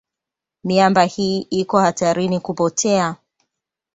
Miamba hii iko hatarini kupotea.